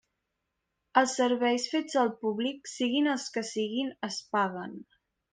Els serveis fets al públic, siguin els que siguin, es paguen.